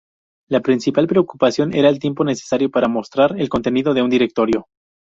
La principal preocupación era el tiempo necesario para mostrar el contenido de un directorio.